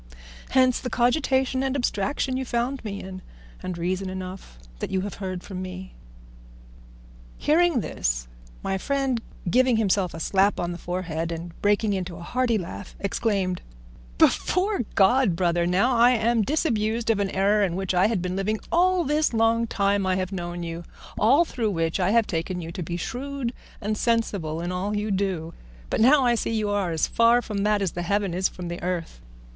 Hence the cogitation and abstraction you found me in, and reason enough, what you have heard from me." Hearing this, my friend, giving himself a slap on the forehead and breaking into a hearty laugh, exclaimed, "Before God, Brother, now am I disabused of an error in which I have been living all this long time I have known you, all through which I have taken you to be shrewd and sensible in all you do; but now I see you are as far from that as the heaven is from the earth.